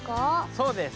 そうです。